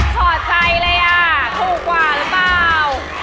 ถอดใจเลยอ่ะถูกกว่าหรือเปล่า